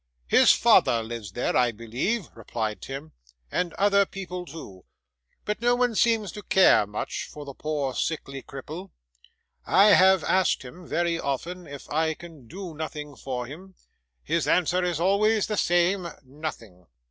'His father lives there, I believe,' replied Tim, 'and other people too; but no one seems to care much for the poor sickly cripple. I have asked him, very often, if I can do nothing for him; his answer is always the same. "Nothing."